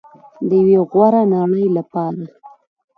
د یوې غوره نړۍ لپاره.